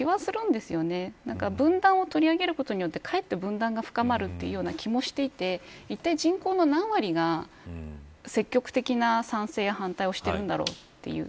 だから、分断を取り上げることによってかえって分断が深まるような気もしていていったい、人口の何割が積極的な賛成、反対をしているんだろうという。